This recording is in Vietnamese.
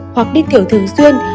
hoặc đi tiểu thường xuyên